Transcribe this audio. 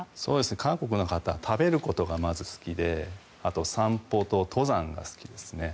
韓国の方は食べることがまず好きであと散歩と登山が好きですね。